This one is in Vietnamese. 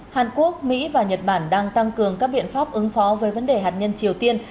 hàn quốc mỹ và nhật bản đang tăng cường các biện pháp ứng phó với vấn đề hạt nhân triều tiên